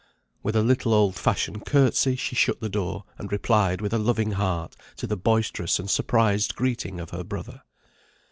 With a little old fashioned curtsey she shut the door, and replied with a loving heart to the boisterous and surprised greeting of her brother.